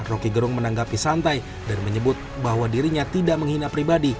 roky gerung menanggapi santai dan menyebut bahwa dirinya tidak menghina pribadi